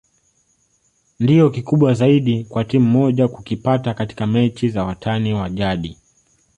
ndio kikubwa zaidi kwa timu moja kukipata katika mechi za watani wa jadi